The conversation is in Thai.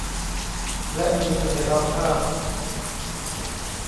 และมีเสถียรภาพ